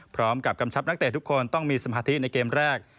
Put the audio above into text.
กำชับนักเตะทุกคนต้องมีสมาธิในเกมแรก